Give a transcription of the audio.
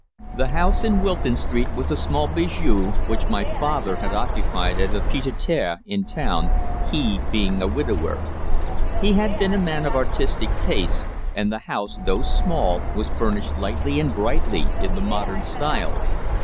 The house in Wilton Street was a small bijou place which my father had occupied as a pied à terre in town, he being a widower. He had been a man of artistic tastes, and the house, though small, was furnished lightly and brightly in the modern style.